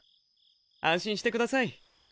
安心してください。